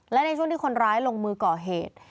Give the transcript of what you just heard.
และในช่วงที่คนร้ายลงมือก่อเหตุ